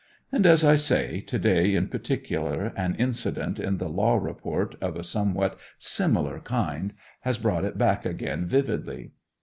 And, as I say, to day in particular, an incident in the law report of a somewhat similar kind has brought it back again vividly.